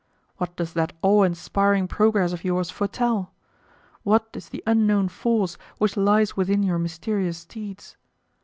What does that awe inspiring progress of yours foretell? What is the unknown force which lies within your mysterious steeds?